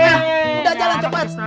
jalan jalan cepet